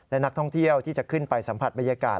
และนักท่องเที่ยวที่จะขึ้นไปสัมผัสบรรยากาศ